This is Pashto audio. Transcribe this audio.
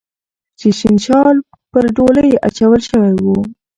چې شین شال پر ډولۍ اچول شوی و